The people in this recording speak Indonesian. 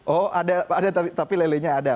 oh ada tapi lelenya ada